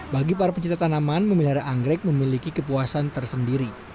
bagi para pencipta tanaman memelihara anggrek memiliki kepuasan tersendiri